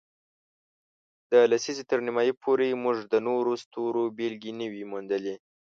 د لسیزې تر نیمایي پورې، موږ د نورو ستورو بېلګې نه وې موندلې.